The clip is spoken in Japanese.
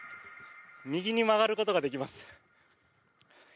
右に曲がることができます。